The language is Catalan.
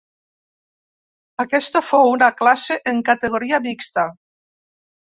Aquesta fou una classe en categoria mixta.